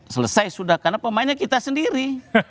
selesai sudah karena pemainnya kita sendiri